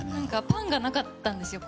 パンがなかったんですよ